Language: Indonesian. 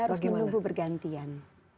harus menunggu pergantian